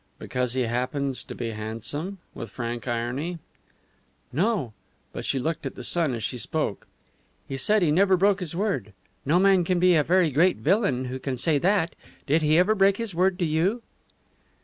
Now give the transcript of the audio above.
"Because he happens to be handsome?" with frank irony. "No." But she looked at the son as she spoke. "He said he never broke his word. No man can be a very great villain who can say that. Did he ever break his word to you?"